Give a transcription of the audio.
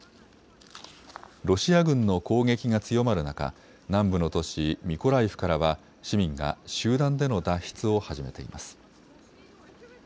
ロシア軍の攻撃が強まる中、南部の都市ミコライフからは市民が集団での脱出を始めています。